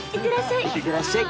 いってらっしゃい。